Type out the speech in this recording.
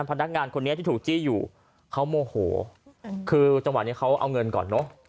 พนักงานคนนี้ที่ถูกจี้อยู่เขาโมโหคือจังหวะนี้เขาเอาเงินก่อนเนอะ